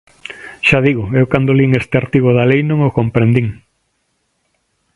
Xa digo: eu cando lin este artigo da lei non o comprendín.